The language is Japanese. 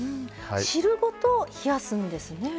汁ごと冷やすんですね。